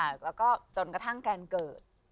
แล้วก็จนกระทั่งแกนเกิด